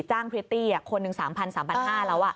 พริตตี้คนหนึ่ง๓๐๐๓๕๐๐แล้ว